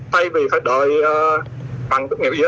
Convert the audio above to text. thay vì phải đợi bằng tốt nghiệp gì đó